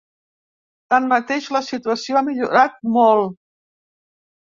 Tanmateix, la situació ha millorat molt.